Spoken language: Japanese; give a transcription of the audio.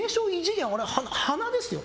鼻ですよ。